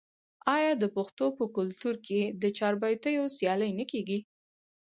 آیا د پښتنو په کلتور کې د چاربیتیو سیالي نه کیږي؟